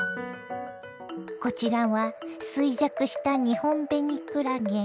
こちらは衰弱したニホンベニクラゲ。